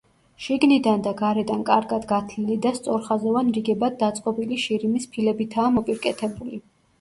შიგნიდან და გარედან კარგად გათლილი და სწორხაზოვან რიგებად დაწყობილი შირიმის ფილებითაა მოპირკეთებული.